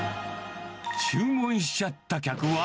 注文しちゃった客は。